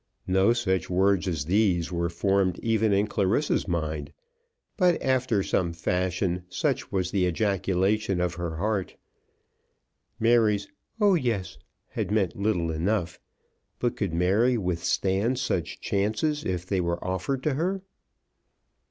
No such words as these were formed even in Clarissa's mind; but after some fashion such was the ejaculation of her heart. Mary's "Oh, yes," had meant little enough, but could Mary withstand such chances if they were offered to her?